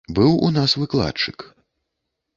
Быў у нас выкладчык.